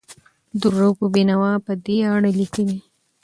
عبدالرؤف بېنوا په دې اړه لیکي.